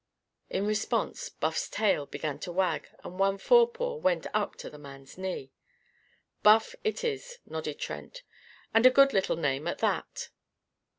In response, Buff's tail began to wag, and one forepaw went up to the man's knee. "'Buff' it is," nodded Trent. "And a good little name at that.